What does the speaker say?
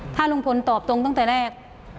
ถ้าลุงพลตอบตรงตั้งแต่แรก